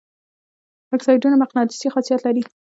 اکسایدونه مقناطیسي خاصیت لري.